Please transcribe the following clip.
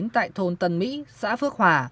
tại thôn tân mỹ xã phước hỏa